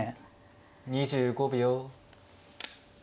２５秒。